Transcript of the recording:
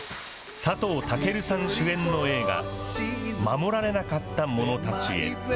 佐藤健さん主演の映画、護られなかった者たちへ。